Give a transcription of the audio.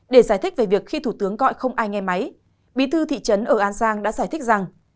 để giải thích về việc khi thủ tướng gọi không ai nghe máy bí thư thị trấn ở an giang đã giải thích rằng